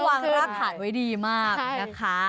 เพราะว่าวางรากผ่านไว้ดีมากนะคะ